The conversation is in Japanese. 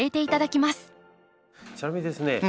ちなみにですね